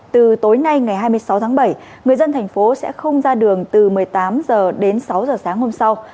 từ tối nay ngày hai mươi sáu tháng bảy người dân thành phố sẽ không ra đường từ một mươi tám h đến sáu h sáng hôm sau